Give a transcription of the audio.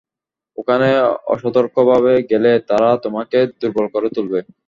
ওখানে অসতর্কভাবে গেলে, তারা তোমাকে দুর্বল করে তুলবে।